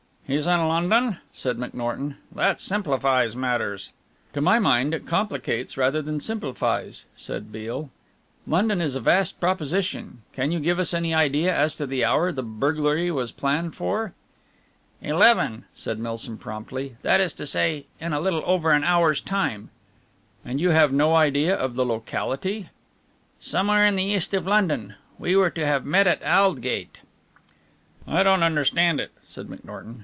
"He's in London?" said McNorton. "That simplifies matters." "To my mind it complicates rather than simplifies," said Beale. "London is a vast proposition. Can you give us any idea as to the hour the burglary was planned for?" "Eleven," said Milsom promptly, "that is to say, in a little over an hour's time." "And you have no idea of the locality?" "Somewhere in the East of London. We were to have met at Aldgate." "I don't understand it," said McNorton.